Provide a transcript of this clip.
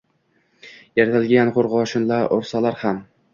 Eritilgan qurgoshin-la ursalar ham!